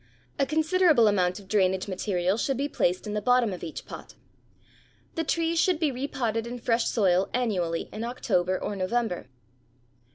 A considerable amount of drainage material should be placed in the bottom of each pot. The trees should be repotted in fresh soil annually in October or November.